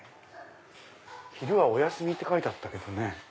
「昼はお休み」と書いてたけどね。